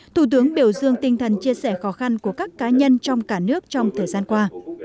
thủ tướng biểu dương tinh thần chia sẻ khó khăn của các cá nhân trong cả nước trong thời gian qua